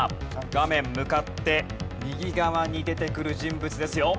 画面向かって右側に出てくる人物ですよ。